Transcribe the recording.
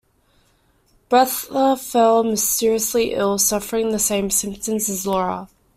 Bertha fell mysteriously ill, suffering the same symptoms as Laura.